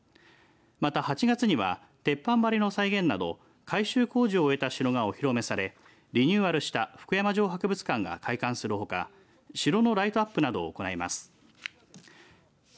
また８月には鉄板張りの再現など改修工事を終えたお城がお披露目されリニューアルした福山城博物館が開館するほか城のライトナットなどを行います。